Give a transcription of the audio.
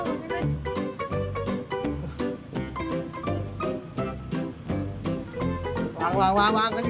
ส่วนเขาชอบกำลังกาก